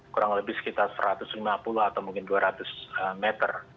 kurang lebih sekitar satu ratus lima puluh atau mungkin dua ratus meter